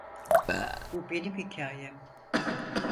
Bu benim hikayem.